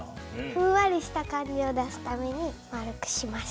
ふんわりした感じを出すために丸くしました。